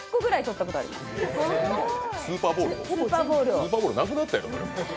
スーパーボールなくなっちゃう。